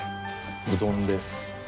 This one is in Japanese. うどんです。